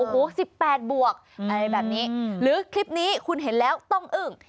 แบบนี้หรือคลิปนี้คุณเห็นแล้วต้องอึ่ง